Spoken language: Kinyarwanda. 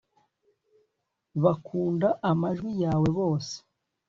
Bakunda amajwi yawe bose